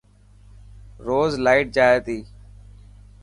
روز لائٽ جائي تي.